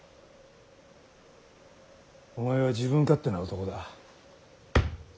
お前は自分勝手な男だ。